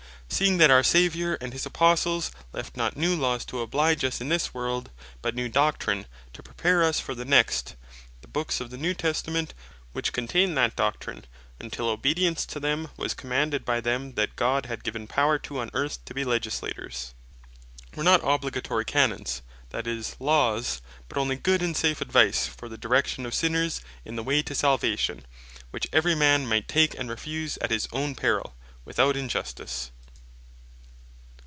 Seeing then our Saviour, and his Apostles, left not new Laws to oblige us in this world, but new Doctrine to prepare us for the next; the Books of the New Testament, which containe that Doctrine, untill obedience to them was commanded, by them that God hath given power to on earth to be Legislators, were not obligatory Canons, that is, Laws, but onely good, and safe advice, for the direction of sinners in the way to salvation, which every man might take, and refuse at his owne perill, without injustice.